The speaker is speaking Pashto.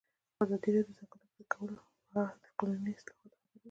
ازادي راډیو د د ځنګلونو پرېکول په اړه د قانوني اصلاحاتو خبر ورکړی.